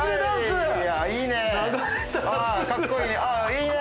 いいね！